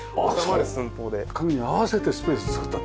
家具に合わせてスペース造ったという。